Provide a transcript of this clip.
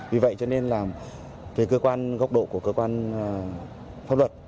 vì vậy cho nên là về cơ quan góc độ của cơ quan pháp luật